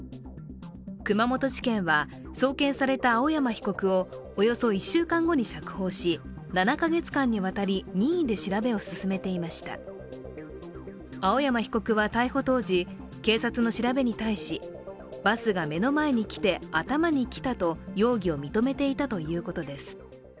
熊本地検は送検された青山被告をおよそ１週間後に釈放し７か月間にわたり、任意で調べを進めていました青山被告は逮捕当時警察の調べに対しバスが目の前に来て頭にきたと容疑を認めていたということです。